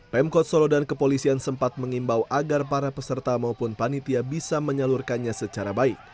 pemkot solo dan kepolisian sempat mengimbau agar para peserta maupun panitia bisa menyalurkannya secara baik